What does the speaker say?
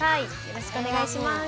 よろしくお願いします。